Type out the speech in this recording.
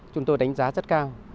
chúng tôi đánh giá rất cao